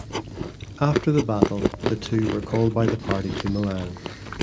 After the battle the two were called by the Party to Milan.